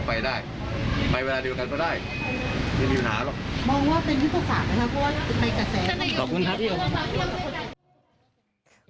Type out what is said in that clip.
ผมไม่ได้ผูกขาเขาอีกแล้ว